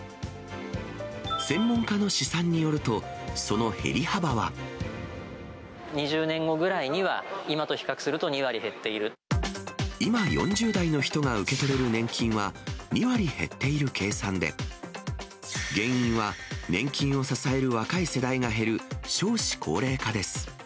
専門家の試算によると、２０年後ぐらいには、今と比今４０代の人が受け取れる年金は、２割減っている計算で、原因は、年金を支える若い世代が減る少子高齢化です。